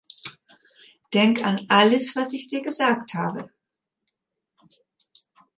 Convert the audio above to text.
Denk an alles, was ich dir gesagt habe.